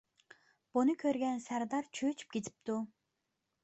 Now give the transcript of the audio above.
بۇنى كۆرگەن سەردار چۆچۈپ كېتىپتۇ.